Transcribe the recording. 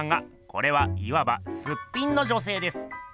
これはいわば「すっぴん」の女せいです。